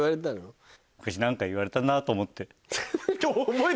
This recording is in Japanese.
何か言われたの？と思って。